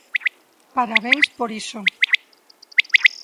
¡Parabéns por iso!